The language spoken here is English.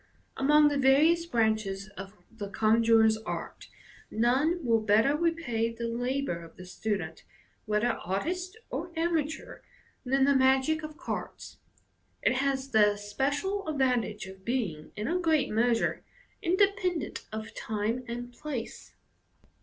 Among the various branches of the conjuror's art, none will better repay the labour of the student, whether artist or amateur, than the magic of cards. It has the especial advantage of being, in a great measure, independent of time and place.